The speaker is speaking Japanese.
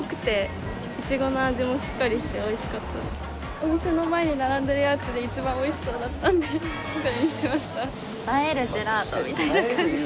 お店の前に並んでるやつで一番おいしそうだったんでこれにしました。